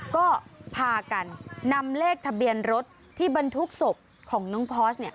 ก็พากันนำเลขทะเบียนรถที่บรรทุกศพของน้องพอส